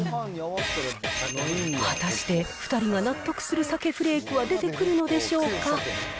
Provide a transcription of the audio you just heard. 果たして、２人が納得する鮭フレークは出てくるのでしょうか。